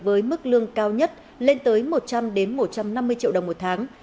với mức lương cao nhất lên tới một trăm linh một trăm năm mươi triệu đồng một tháng